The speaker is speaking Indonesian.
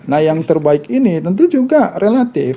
nah yang terbaik ini tentu juga relatif